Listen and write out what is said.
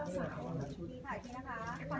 สวัสดีครับ